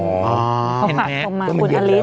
อ๋อเขาขัดส่งมาคุณอลิส